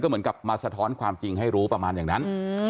เหมือนกับมาสะท้อนความจริงให้รู้ประมาณอย่างนั้น